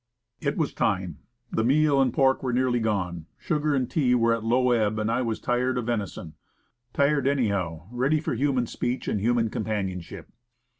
It was time. The meal and pork were nearly gone, sugar and tea were at low ebb, and I was tired of venison; tired anyhow; ready for human speech and human companionship.